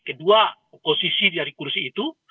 kedua posisi dari kursi itu